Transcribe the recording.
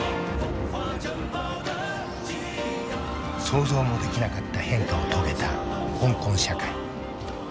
想像もできなかった変化を遂げた香港社会。